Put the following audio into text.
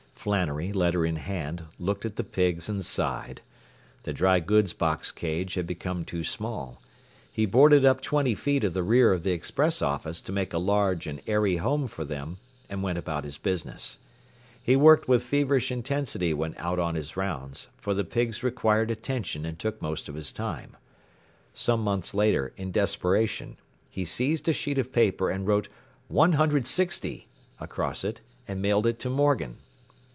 Flannery, letter in hand, looked at the pigs and sighed. The dry goods box cage had become too small. He boarded up twenty feet of the rear of the express office to make a large and airy home for them, and went about his business. He worked with feverish intensity when out on his rounds, for the pigs required attention and took most of his time. Some months later, in desperation, he seized a sheet of paper and wrote “160” across it and mailed it to Morgan.